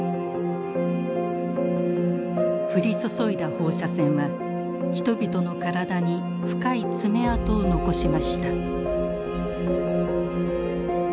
降り注いだ放射線は人々の体に深い爪痕を残しました。